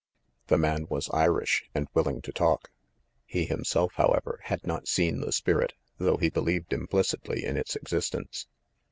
The man was Irish, and willing to talk. He himself, however, had not seen the spirit, though he believed implicitly in its existence.